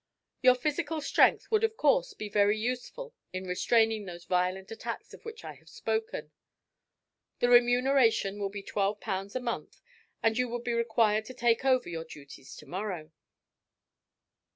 Your physical strength would of course be very useful in restraining those violent attacks of which I have spoken. The remuneration will be twelve pounds a month, and you would be required to take over your duties to morrow."